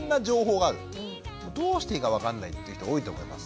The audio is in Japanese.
どうしていいか分かんないっていう人多いと思います。